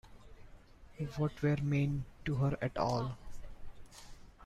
What were men to her at all!